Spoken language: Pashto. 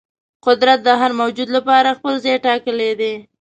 قدرت د هر موجود لپاره خپل ځای ټاکلی دی.